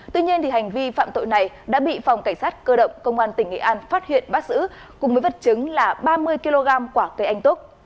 tuy nhiên hành vi phạm tội này đã bị phòng cảnh sát cơ động công an tỉnh nghệ an phát hiện bắt giữ cùng với vật chứng là ba mươi kg quả cây anh túc